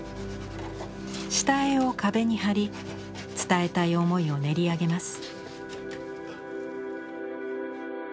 下絵を壁に貼り伝えたい思いを練り上げます。